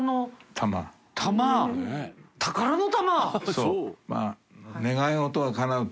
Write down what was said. そう。